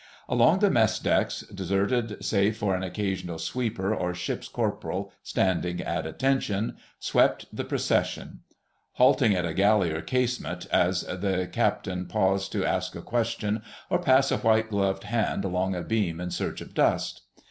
Along the mess decks, deserted save for an occasional sweeper or Ship's Corporal standing at attention, swept the procession; halting at a galley or casemate as the Captain paused to ask a question or pass a white gloved hand along a beam in search of dust.